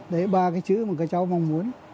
đấy ba cái chữ mà các cháu mong muốn